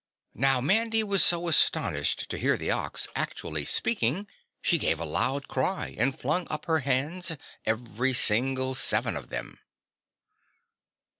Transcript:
Now Mandy was so astonished to hear the Ox actually speaking, she gave a loud cry and flung up her hands, every single seven of them.